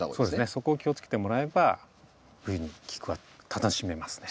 そこを気をつけてもらえば冬にキク科楽しめますね。